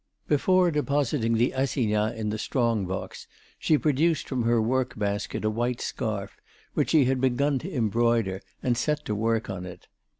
Before depositing the assignats in the strong box, she produced from her work basket a white scarf, which she had begun to embroider, and set to work on it.